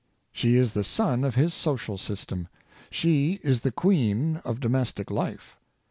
She is the sun of his social system. She is the queen of domestic life.